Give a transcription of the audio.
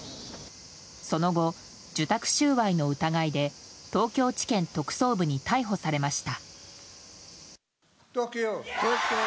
その後、受託収賄の疑いで東京地検特捜部に逮捕されました。